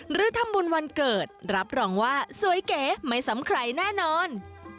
หรือทำบุญวันเกิดรับรองว่าสวยเก๋ไม่ซ้ำใครแน่นอน